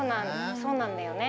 そうなんだよね。